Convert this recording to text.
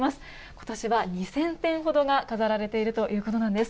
ことしは２０００点ほどが飾られているということなんです。